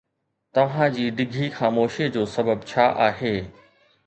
توهان جي ڊگهي خاموشي جو سبب ڇا آهي؟